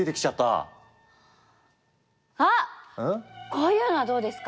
こういうのはどうですか？